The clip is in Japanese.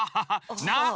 な！